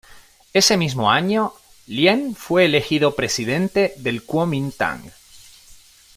Ese mismo año Lien fue elegido presidente del Kuomintang.